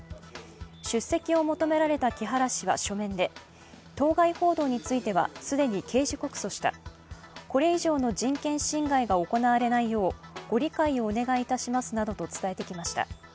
出席を求められた木原氏は書面で、当該報道については既に刑事告訴した、これ以上の人権侵害が行われないようご理解をお願いいたしますなどと伝えてきました。